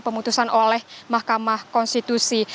pemutusan oleh mahkamah konstitusi